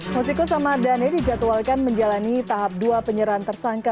musikus ahmad dhani dijadwalkan menjalani tahap dua penyerahan tersangka